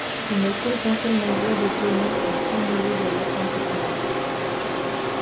Il ne coule qu'un seul navire de tonneaux en plein milieu de l'Atlantique Nord.